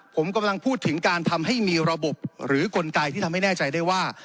ผมกำลังพูดถึงการทำให้มีระบบหรือกลไกที่ทำให้แน่ใจได้ว่า